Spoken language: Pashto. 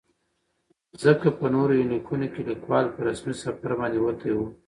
ځکه په نورو يونليکونو کې ليکوال په رسمي سفر باندې وتى و.